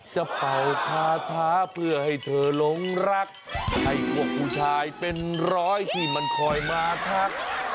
เป่าคาถาเพื่อให้เธอหลงรักให้พวกผู้ชายเป็นร้อยที่มันคอยมาทัก